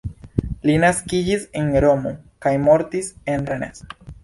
Li naskiĝis en Romo kaj mortis en Rennes.